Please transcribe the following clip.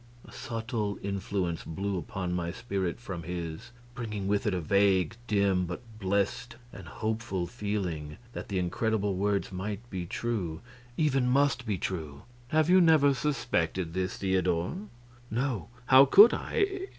A subtle influence blew upon my spirit from his, bringing with it a vague, dim, but blessed and hopeful feeling that the incredible words might be true even must be true. "Have you never suspected this, Theodor?" "No. How could I?